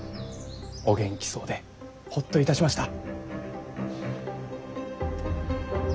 お元気そうでほっといたしました。